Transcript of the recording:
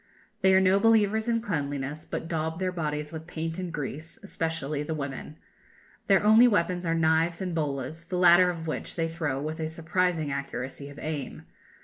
They are no believers in cleanliness; but daub their bodies with paint and grease, especially the women. Their only weapons are knives and bolas, the latter of which they throw with a surprising accuracy of aim.